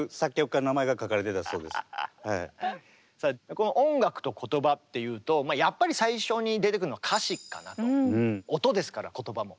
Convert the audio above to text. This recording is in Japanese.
この「音楽と言葉」っていうとやっぱり最初に出てくるのは音ですから言葉も。